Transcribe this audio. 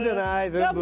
全部。